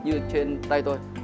như trên tay tôi